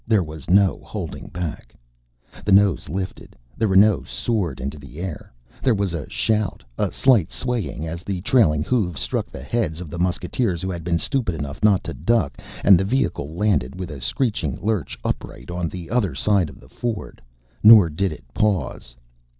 There was no holding back. The nose lifted, the Renault soared into the air. There was a shout, a slight swaying as the trailing hooves struck the heads of mucketeers who had been stupid enough not to duck, and the vehicle landed with a screeching lurch, upright, on the other side of the Ford. Nor did it pause.